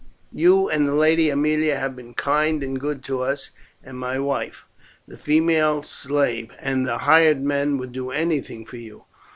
You and the Lady Aemilia have been kind and good to us, and my wife, the female slave, and the hired men would do anything for you.